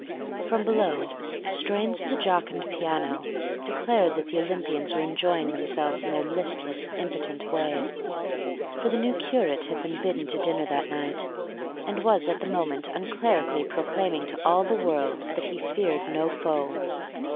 From below, strains of the jocund piano declared that the Olympians were enjoying themselves in their listless, impotent way; for the new curate had been bidden to dinner that night, and was at the moment unclerically proclaiming to all the world that he feared no foe.